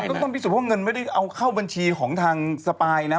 ต้องพิสูจนว่าเงินไม่ได้เอาเข้าบัญชีของทางสปายนะ